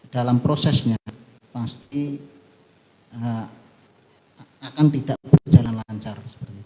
dalam prosesnya pasti akan tidak berjalan lancar